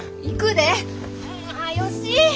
行くで！はよしい！